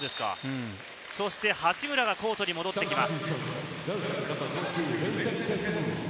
そして八村がコートに戻ってきます。